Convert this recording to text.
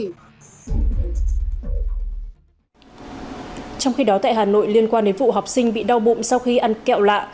trong khi đó tại hà nội liên quan đến vụ học sinh bị đau bụng sau khi ăn kẹo lạ